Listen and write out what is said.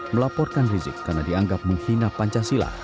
melaporkan rizik karena dianggap menghina pancasila